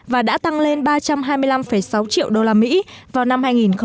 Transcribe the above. và đã tăng lên ba trăm hai mươi năm sáu triệu usd vào năm hai nghìn một mươi sáu